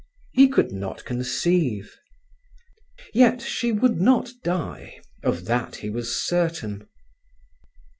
He could not conceive. Yet she would not die, of that he was certain.